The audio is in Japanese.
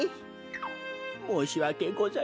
もうしわけございません。